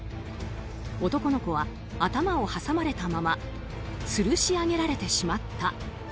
男の子は頭を挟まれたままつるし上げられてしまった。